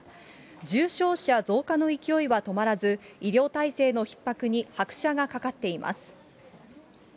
重症者増加の勢いは止まらず、医療体制のひっ迫に拍車がかかっています。